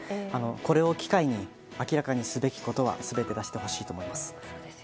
これを機会に明らかにすべきことは全て出してほしいと思います。